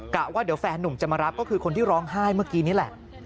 ว่าเดี๋ยวแฟนนุ่มจะมารับก็คือคนที่ร้องไห้เมื่อกี้นี่แหละ